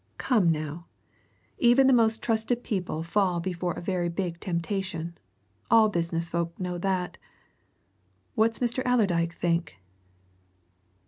"Come, now! Even the most trusted people fall before a very big temptation. All business folk know that. What's Mr. Allerdyke think?"